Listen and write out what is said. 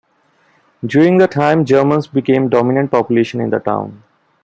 During the time, Germans became dominant population in the town.